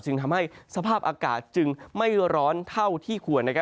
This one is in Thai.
จึงทำให้สภาพอากาศจึงไม่ร้อนเท่าที่ควร